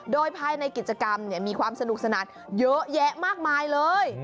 โดยภายในกิจกรรมมีความสนุกสนานเยอะแยะมากมายเลย